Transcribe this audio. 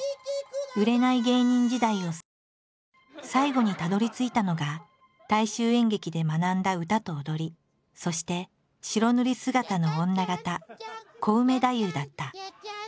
売れない芸人時代を過ごし最後にたどりついたのが大衆演劇で学んだ歌と踊りそして白塗り姿の女形「コウメ太夫」だった。